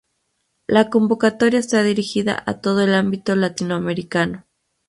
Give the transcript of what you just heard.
La convocatoria está dirigida a todo el ámbito latinoamericano.